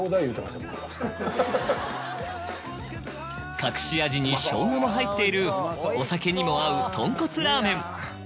隠し味に生姜も入っているお酒にも合うとんこつラーメン。